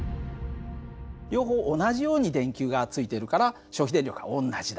両方同じように電球がついてるから消費電力は同じだ。